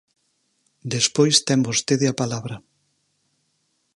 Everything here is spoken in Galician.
Despois ten vostede a palabra.